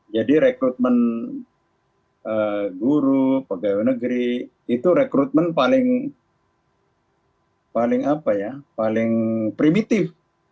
jadi rekrutmen guru pegawai negeri itu rekrutmen paling primitif